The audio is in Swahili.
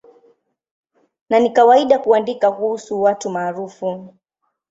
Na ni kawaida kuandika kuhusu watu maarufu.